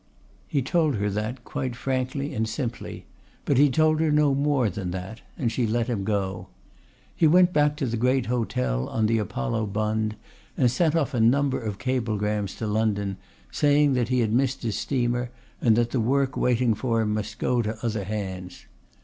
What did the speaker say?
He told her that quite frankly and simply, but he told her no more than that, and she let him go. He went back to the great hotel on the Apollo Bund and sent off a number of cablegrams to London saying that he had missed his steamer and that the work waiting for him must go to other hands.